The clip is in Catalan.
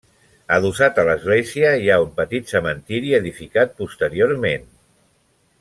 Adossat a l'església hi ha un petit cementiri, edificat posteriorment.